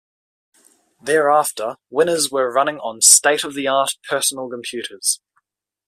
Thereafter, winners were running on state-of-the-art personal computers.